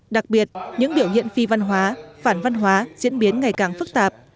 đặc biệt những biểu hiện phi văn hóa phản văn hóa diễn biến ngày càng phức tạp